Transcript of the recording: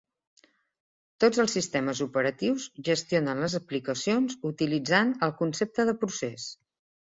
Tots els sistemes operatius gestionen les aplicacions utilitzant el concepte de procés.